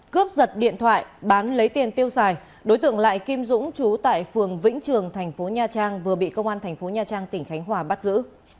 cướp giật điện thoại bán lấy tiền tiêu xài đối tượng lại kim dũng chú tại phường vĩnh trường tp nha trang vừa bị công an tp nha trang tỉnh khánh hòa bắt giữ